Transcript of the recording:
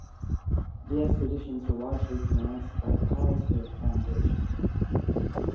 The expeditions were largely financed by the Carlsberg Foundation.